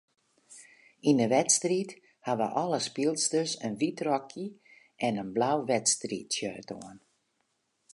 Yn 'e wedstriid hawwe alle spylsters in wyt rokje en in blau wedstriidshirt oan.